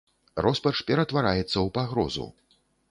Роспач ператвараецца ў пагрозу.